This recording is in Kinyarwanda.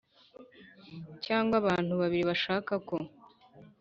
cyangwa abantu babiri bashaka ko